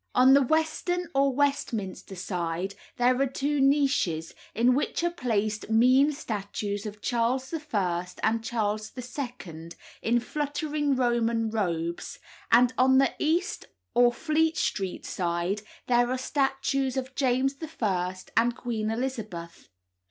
On the western or Westminster side there are two niches, in which are placed mean statues of Charles I. and Charles II. in fluttering Roman robes, and on the east or Fleet Street side there are statues of James I. and Queen Elizabeth.